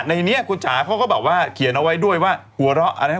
ในนี้คุณจ๋าเขาก็บอกว่าเขียนเอาไว้ด้วยว่าหัวเหล้าอะไรนะ